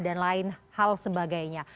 dan lain hal sebagainya